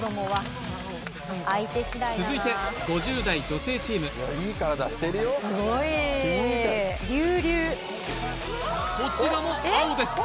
続いて５０代女性チームこちらも青です